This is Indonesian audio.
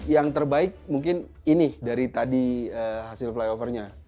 yang terbaik mungkin ini dari tadi hasil fly over nya